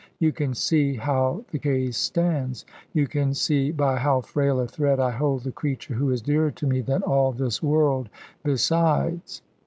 You can see how the case stands. You can see by how frail a thread I hold the creature who is dearer to me than all this world besides."